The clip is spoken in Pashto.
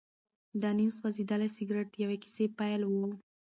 دا نیم سوځېدلی سګرټ د یوې کیسې پیل و.